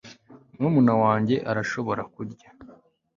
murumuna wanjye arashobora kurya